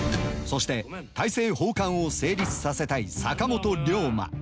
そして大政奉還を成立させたい坂本龍馬。